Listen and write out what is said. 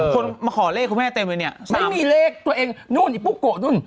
คนมาขอเลขคุณแม่เต็มเลยเนี่ยไม่มีเลขตัวเองนู่นอีปุ๊กโกะนู่น